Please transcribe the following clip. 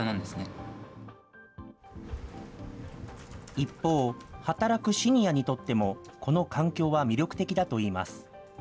一方、働くシニアにとってもこの環境は魅力的だといいます。